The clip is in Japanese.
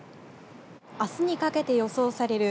あすにかけて予想される